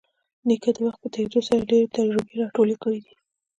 نیکه د وخت په تېرېدو سره ډېرې تجربې راټولې کړي دي.